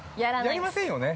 ◆やりませんよね。